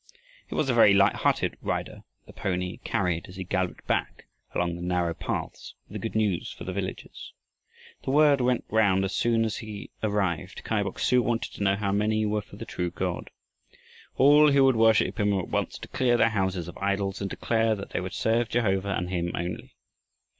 It was a very light hearted rider the pony carried as he galloped back along the narrow paths, with the good news for the villagers. The word went round as soon as he arrived. Kai Bok su wanted to know how many were for the true God. All who would worship him were at once to clear their houses of idols and declare that they would serve Jehovah and him only.